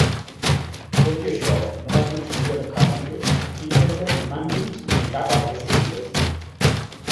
Tot i això, no va coincidir amb Hartsfield, Pinkerton, Mankins ni cap altre sospitós.